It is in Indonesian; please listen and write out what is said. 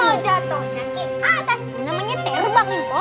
kalau jatohnya ke atas namanya terbang ibu